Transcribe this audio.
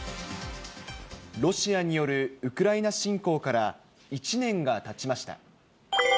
ロシアによるウクライナ侵攻から１年がたちました。